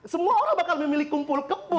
semua orang bakal memilih kumpul kebun